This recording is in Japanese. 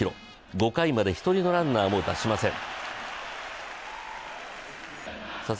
５回まで１人のランナーも許しません。